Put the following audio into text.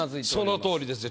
そのとおりですね。